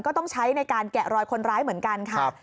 ก็ต้องใช้ในการแกะรอยคนร้ายเหมือนกันค่ะ